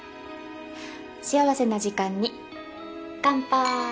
幸せな時間に乾杯！